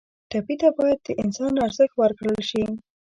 ټپي ته باید د انسان ارزښت ورکړل شي.